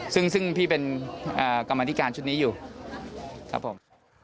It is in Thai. ซึ่งพี่เป็นกรรมธิการชุดนี้อยู่ครับผม